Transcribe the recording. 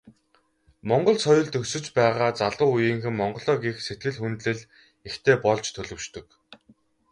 Монгол соёлд өсөж байгаа залуу үеийнхэн Монголоо гэх сэтгэл, хүндэтгэл ихтэй болж төлөвшдөг.